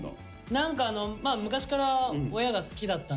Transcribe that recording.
何か昔から親が好きだったんで料理は。